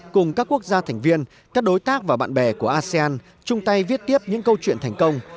cùng các quốc gia thành viên các đối tác và bạn bè của asean chung tay viết tiếp những câu chuyện thành công